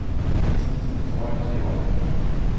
Dies nutzen sie zur Orientierung.